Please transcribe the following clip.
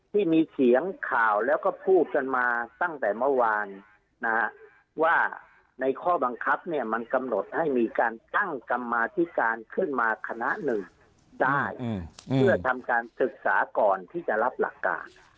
ที่มีเสียงข่าวแล้วก็พูดกันมาตั้งแต่เมื่อวานว่าในข้อบังคับเนี่ยมันกำหนดให้มีการตั้งกรรมาธิการขึ้นมาคณะหนึ่งได้เพื่อทำการศึกษาก่อนที่จะรับหลักการ